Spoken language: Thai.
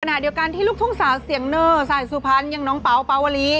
ขณะเดียวกันที่ลูกทุ่งสาวเสียงเนอร์สายสุพรรณอย่างน้องเป๋าปาวลี